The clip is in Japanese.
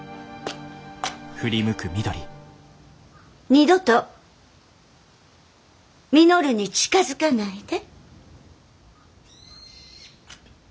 二度と稔に近づかないで。